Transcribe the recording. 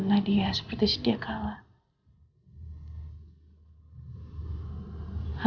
sama ingin berdoa ya allah